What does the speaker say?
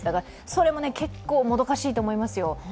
それも結構、もどかしいと思いますよ。